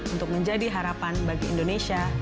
untuk menjadi harapan bagi indonesia